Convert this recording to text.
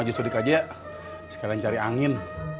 aja sudah kajak sekalian cari angin